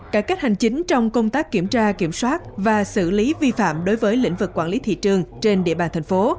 cải cách hành chính trong công tác kiểm tra kiểm soát và xử lý vi phạm đối với lĩnh vực quản lý thị trường trên địa bàn thành phố